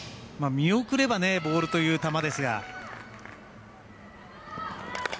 見送ればボールという球ですが。